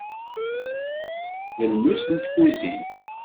D lmus n tkuzint.